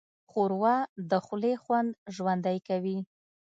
ښوروا د خولې خوند ژوندی کوي.